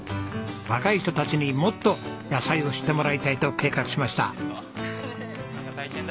若い人たちにもっと野菜を知ってもらいたいと計画しました。